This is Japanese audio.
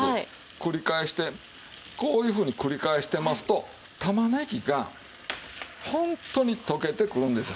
繰り返してこういうふうに繰り返してますと玉ねぎがホントに溶けてくるんですよ。